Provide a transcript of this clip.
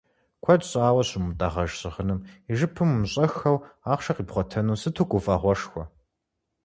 Куэд щӏауэ щыумытӏагъэж щыгъыным и жыпым умыщӏэххэу ахъшэ къибгъуатэну сыту гуфӏэгъуэшхуэ.